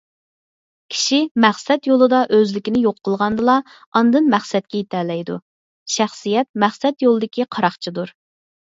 كىشى مەقسەت يولىدا ئۆزلۈكىنى يوق قىلغاندىلا، ئاندىن مەقسەتكە يېتەلەيدۇ. شەخسىيەت مەقسەت يولىدىكى قاراقچىدۇر.